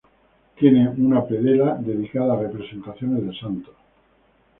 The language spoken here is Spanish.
Tiene una predela dedicada a representaciones de santos.